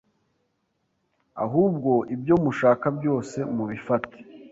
ahubwo ibyo mushaka byose mubifate